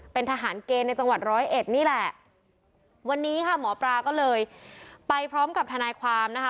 เป็นทหารเกณฑ์ในจังหวัดร้อยเอ็ดนี่แหละวันนี้ค่ะหมอปลาก็เลยไปพร้อมกับทนายความนะคะ